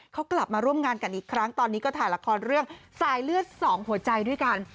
เขากลับมาร่วมงานกันอีกครั้งตอนนี้ก็ถ่ายละครเรื่องสายเลือดสองหัวใจด้วยกัน